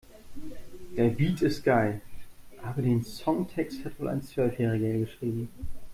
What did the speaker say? Der Beat ist geil, aber den Songtext hat wohl ein Zwölfjähriger geschrieben.